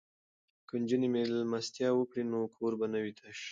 که نجونې میلمستیا وکړي نو کور به نه وي تش.